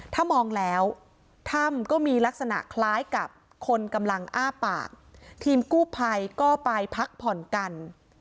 ถ้ามองแล้วถ้ำก็มีลักษณะคล้ายกับคนกำลังอ้าปากทีมกู้ภัยก็ไปพักผ่อนกัน